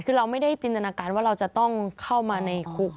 คือเราไม่ได้จินตนาการว่าเราจะต้องเข้ามาในคุก